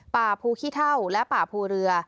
ป่าภูขี้เท่าและป่าภูเรือ